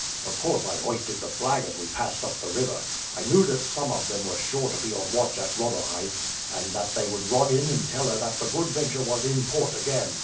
Of course I hoisted the flag as we passed up the river. I knew that some of them were sure to be on watch at Rotherhithe, and that they would run in and tell her that the Good Venture was in port again.